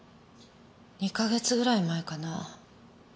２か月ぐらい前かな。